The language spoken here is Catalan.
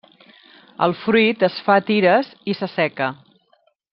El fruit es fa a tires i s'asseca.